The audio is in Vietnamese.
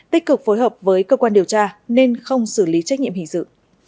tích cực phối hợp với cơ quan điều tra nên không xử lý trách nhiệm hình dự